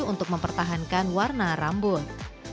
untuk mempertahankan warna rambut